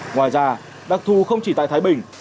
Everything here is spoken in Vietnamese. ngoài ra đắc thu không chỉ tại thái bình